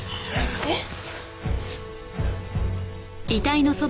えっ？